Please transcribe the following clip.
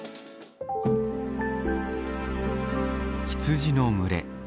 羊の群れ。